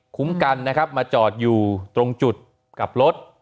คุ้มกันนะครับมาจอดอยู่ตรงจุดกับรถ